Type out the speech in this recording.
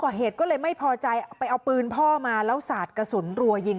ก่อเหตุก็เลยไม่พอใจเอาไปเอาปืนพ่อมาแล้วสาดกระสุนรัวยิง